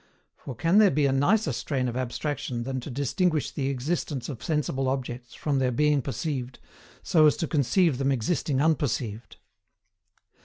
For can there be a nicer strain of abstraction than to distinguish the existence of sensible objects from their being perceived, so as to conceive them existing unperceived?